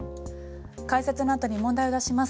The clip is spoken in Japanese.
解説のあとに問題を出します。